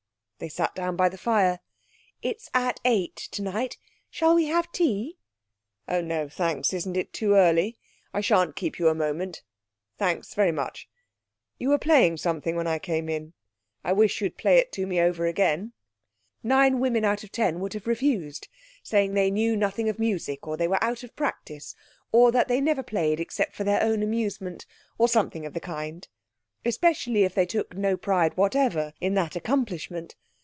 They sat down by the fire. 'It's at eight tonight. Shall we have tea?' 'Oh no, thanks; isn't it too early? I sha'n't keep you a moment. Thanks very much.... You were playing something when I came in. I wish you'd play it to me over again.' Nine women out of ten would have refused, saying they knew nothing of music, or that they were out of practice, or that they never played except for their own amusement, or something of the kind; especially if they took no pride whatever in that accomplishment.